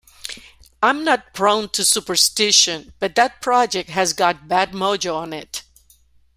I'm not prone to superstition, but that project has got bad mojo on it.